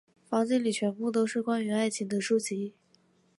房间里全部都是关于爱情的书籍。